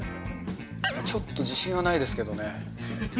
ちょっと自信がないですけれどもね。